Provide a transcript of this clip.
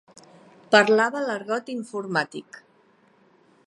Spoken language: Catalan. Parlava l'argot informàtic.